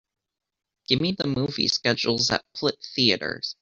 Give me the movie schedules at Plitt Theatres